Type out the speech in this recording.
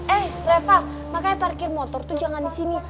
eh reva makanya parkir motor tuh jangan di sini